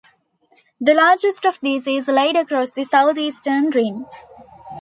The largest of these is laid across the southeastern rim.